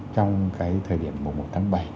trong cái thời điểm một một tháng bảy